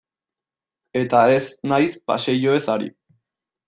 Eta ez naiz paseilloez ari.